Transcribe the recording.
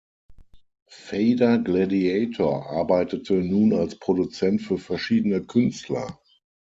Fader Gladiator arbeitete nun als Produzent für verschiedene Künstler.